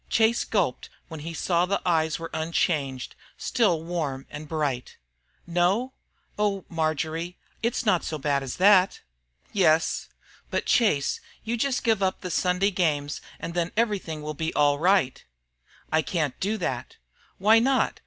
Chase gulped when he saw the eyes were unchanged, still warm and bright. "No? Oh, Marjory, it's not so bad as that?" "Yes. But, Chase, you just give up the Sunday games, and then everything will be all right again." "I can't do that." "Why not?